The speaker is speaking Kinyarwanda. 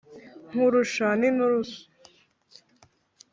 nkurusha n'inturusu,